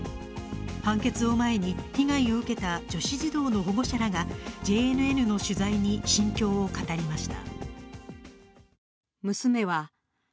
判決を前に被害を受けた女子児童の保護者らがＪＮＮの取材に心境を語りました。